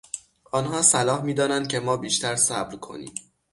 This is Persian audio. آنها صلاح میدانند که ما بیشتر صبر کنیم.